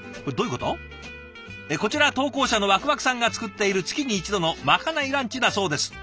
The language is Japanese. こちら投稿者のわくわくさんが作っている月に一度のまかないランチだそうです。